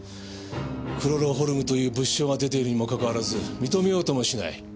クロロホルムという物証が出ているにもかかわらず認めようともしない。